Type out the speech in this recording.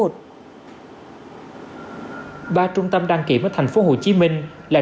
ba trung tâm đăng kiểm ở tp hcm là